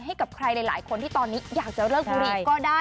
ให้กับใครหลายคนที่ตอนนี้อยากจะเลิกบุรีก็ได้